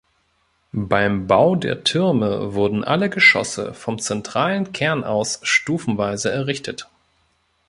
Beim Bau der Türme wurden alle Geschosse vom zentralen Kern aus stufenweise errichtet.